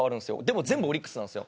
でも、全部オリックスなんです。